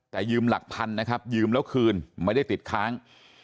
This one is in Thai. แต่ยืมหลักพันนะครับยืมแล้วคืนไม่ได้ติดค้าง